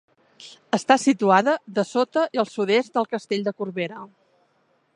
Està situada dessota i al sud-est del Castell de Corbera.